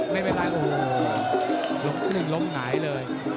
ไม่เป็นไรโอ้โหลุกนึ่งลุกไหนเลย